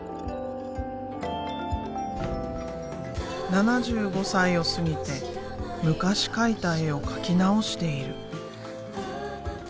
７５歳を過ぎて昔描いた絵を描き直している。